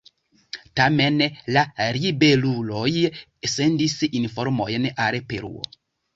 Tamen la ribeluloj sendis informojn al Peruo.